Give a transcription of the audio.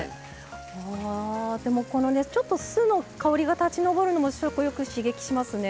ちょっと酢の香りが立ち上るのも食欲刺激しますね。